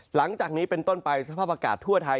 หลังจากนี้เป็นต้นไปสภาพอากาศทั่วไทย